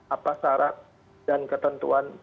apa syarat dan ketentuan